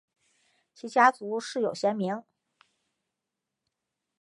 其家族世有贤名。